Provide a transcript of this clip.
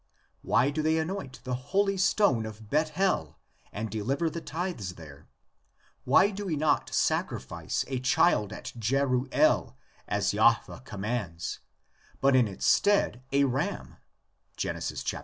Why do they anoint the holy stone of Bethel and deliver the tithes there? Why do we not sacrifice a child at Jeruel as Jahveh commands, but in its stead a ram (Gen. xxii.)?